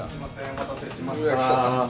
お待たせしました。